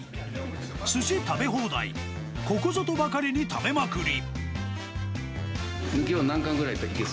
すし食べ放題、ここぞとばかりに食べまくり。